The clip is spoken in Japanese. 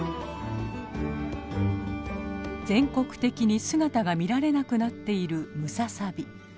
全国的に姿が見られなくなっているムササビ。